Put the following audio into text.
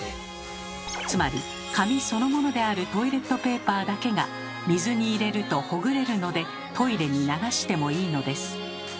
つまり紙そのものであるトイレットペーパーだけが水に入れるとほぐれるのでトイレに流してもいいのです。